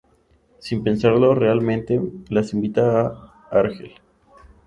Sin pensarlo realmente, las invita a Argel.